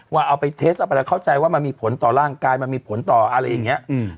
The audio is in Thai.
เอาไปเทสเอาไปแล้วเข้าใจว่ามันมีผลต่อร่างกายมันมีผลต่ออะไรอย่างนี้